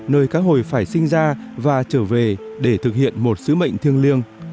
nơi các hồi phải sinh ra và trở về để thực hiện một sứ mệnh thiêng liêng